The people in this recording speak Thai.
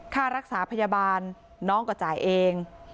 ค่ารักษาพยาบาลน้องก็จ่ายเอง